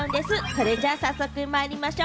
それじゃあ早速まいりましょう。